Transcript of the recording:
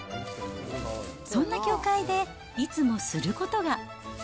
そんな教会で、いつもすることが。